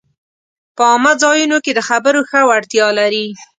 په عامه ځایونو کې د خبرو ښه وړتیا لري